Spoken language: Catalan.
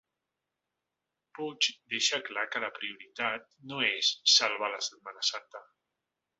Puig deixa clar que la prioritat no és “salvar la Setmana Santa”